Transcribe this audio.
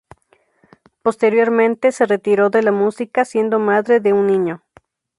Posteriormente se retiró de la música siendo madre de un niño.